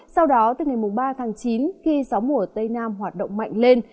sau đó từ ngày ba tháng chín khi gió mùa tây nam hoạt động mạnh lên